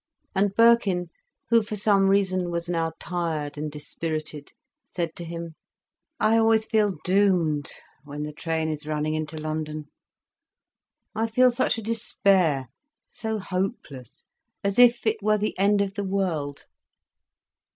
And Birkin, who, for some reason was now tired and dispirited, said to him: "I always feel doomed when the train is running into London. I feel such a despair, so hopeless, as if it were the end of the world."